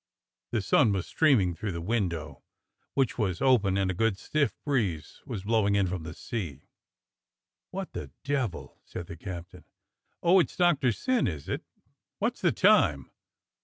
The sun was streaming through the window, which was open, and a good stiff breeze was blowing in from the sea. 132 DOCTOR SYN "What the devil!" said the captain. "Oh, it's Doctor Syn, is it? What's the time?